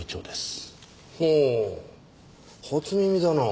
ほう初耳だなあ。